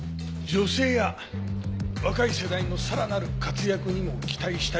女性や若い世代のさらなる活躍にも期待したい。